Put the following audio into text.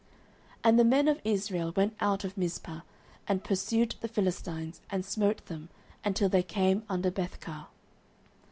09:007:011 And the men of Israel went out of Mizpeh, and pursued the Philistines, and smote them, until they came under Bethcar.